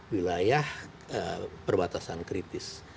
wilayah perbatasan kritis